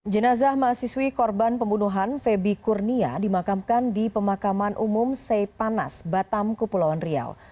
jenazah mahasiswi korban pembunuhan febi kurnia dimakamkan di pemakaman umum seipanas batam kepulauan riau